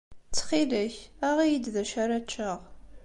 Ttxil-k, aɣ-iyi-d d acu ara ččeɣ.